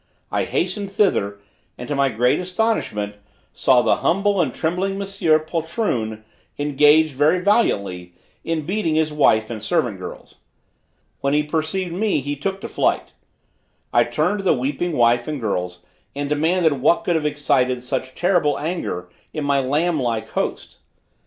I hastened thither, and to my great astonishment, saw the humble and trembling Monsieur poltroon engaged, very valiantly, in beating his wife and servant girls. When he perceived me he took to flight. I turned to the weeping wife and girls and demanded what could have excited such terrible anger in my lamb like host.